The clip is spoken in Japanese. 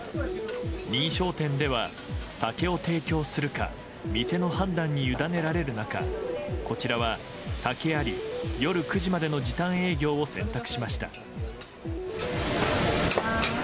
認証店では、酒を提供するか店の判断に委ねられる中こちらは、酒あり夜９時までの時短営業を選択しました。